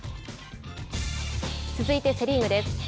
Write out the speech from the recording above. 続いてセ・リーグです。